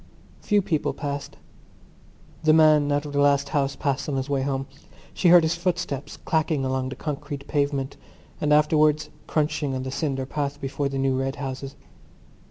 Few people passed. The man out of the last house passed on his way home; she heard his footsteps clacking along the concrete pavement and afterwards crunching on the cinder path before the new red houses.